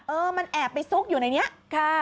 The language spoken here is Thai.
เออมันแอบไปซุกอยู่ในนี้ค่ะ